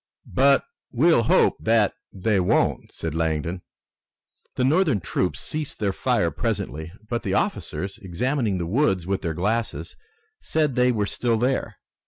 "But we'll hope that they won't," said Langdon. The Northern troops ceased their fire presently, but the officers, examining the woods with their glasses, said they were still there.